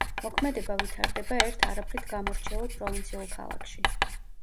მოქმედება ვითარდება ერთ არაფრით გამორჩეულ პროვინციულ ქალაქში.